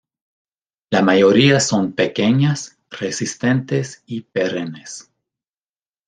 La mayoría son pequeñas, resistentes y perennes.